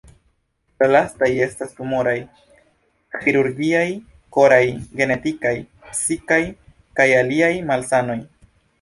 La lastaj estas tumoraj, ĥirurgiaj, koraj, genetikaj, psikaj kaj aliaj malsanoj.